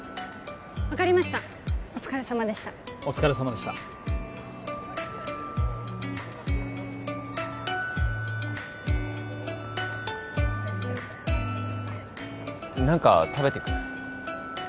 分かりましたお疲れさまでしたお疲れさまでした何か食べてく？